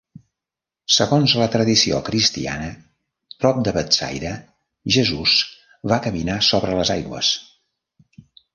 Segons la tradició cristiana prop de Betsaida Jesús va caminar sobre les aigües.